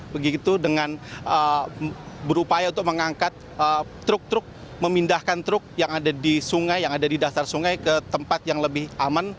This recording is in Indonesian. begitu dengan berupaya untuk mengangkat truk truk memindahkan truk yang ada di sungai yang ada di dasar sungai ke tempat yang lebih aman